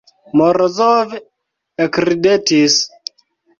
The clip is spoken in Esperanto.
Morozov ekridetis.